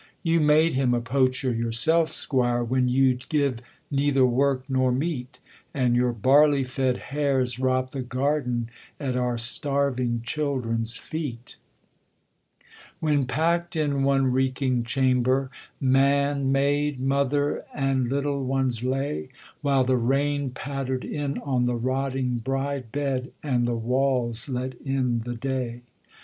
'You made him a poacher yourself, squire, When you'd give neither work nor meat, And your barley fed hares robbed the garden At our starving children's feet; 'When, packed in one reeking chamber, Man, maid, mother, and little ones lay; While the rain pattered in on the rotting bride bed, And the walls let in the day.